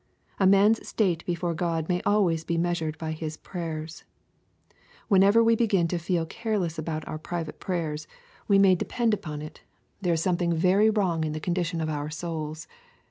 A man's state before God may always be measured by his prayers. Whenever we begin to feel careless about our priva te prayers, we may depend upon 14 EXPOSITORY rflOUGHTS. it, there is something very wrong iu the condifcion of our goals.